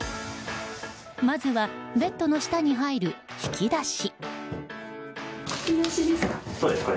まずはベッドの下に入る引き出し。